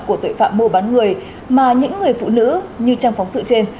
của tội phạm mô bán người mà những người phụ nữ như trang phóng sự trên